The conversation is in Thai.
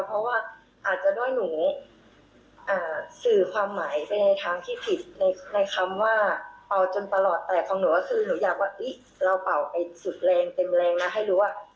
เพราะว่าอาจจะด้วยหนูสื่อความหมายไปในทางที่ผิด